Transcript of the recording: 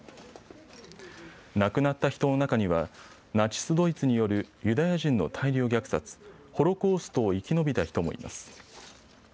亡くなった人の中にはナチス・ドイツによるユダヤ人の大量虐殺、ホロコーストを生き延びた人もいます。